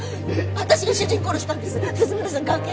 私が殺したんです！